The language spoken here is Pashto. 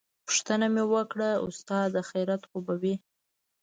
پوښتنه مې وکړه استاده خيريت خو به وي.